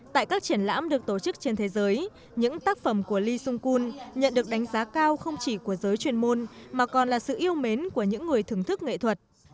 tại các triển lãm được tổ chức trên thế giới những tác phẩm của lee sung kun nhận được đánh giá cao không chỉ của giới chuyên môn mà còn là sự yêu mến của những người thưởng thức nghệ thuật